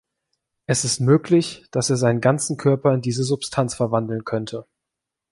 Es ist möglich, dass er seinen ganzen Körper in diese Substanz verwandeln könnte.